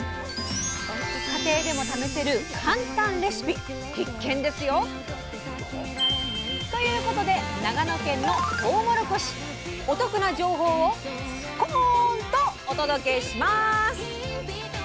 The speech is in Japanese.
家庭でも試せる簡単レシピ必見ですよ！ということで長野県のとうもろこしお得な情報を「すコーン」とお届けします。